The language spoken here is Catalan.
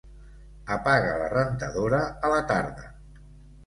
Apaga la rentadora a la tarda.